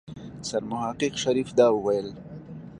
سرمحقق شريف دا وويل.